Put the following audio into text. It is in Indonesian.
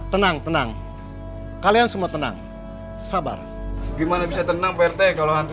tenang tenang kalian semua tenang sabar gimana bisa tenang prt kalau hantu